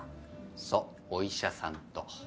そうお医者さんと。